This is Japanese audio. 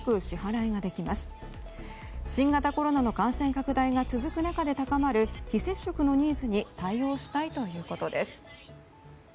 新型コロナの感染拡大が続く中で高まる非接触ニーズに対応したいということです。